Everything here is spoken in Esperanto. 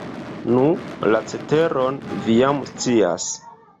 Nu, la ceteron vi jam scias.